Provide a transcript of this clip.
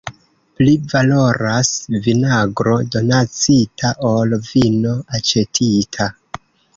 Pli valoras vinagro donacita, ol vino aĉetita.